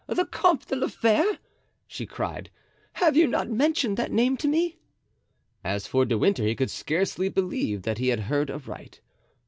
"The Comte de la Fere!" she cried. "Have you not mentioned that name to me?" As for De Winter he could scarcely believe that he had heard aright.